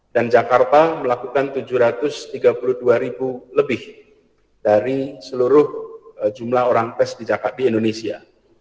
dan jakarta melakukan tujuh ratus tiga puluh dua ribu lebih dari seluruh jumlah orang tes di indonesia